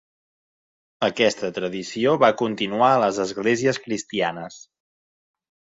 Aquesta tradició va continuar a les esglésies cristianes.